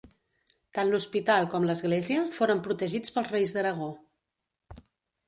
Tant l'hospital com l'església foren protegits pels reis d'Aragó.